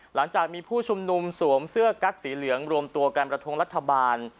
หลังจากมีผู้ชุมนุมสวมเสื้อกั๊กสีเหลืองรวมตัวการประท้วงรัฐบาล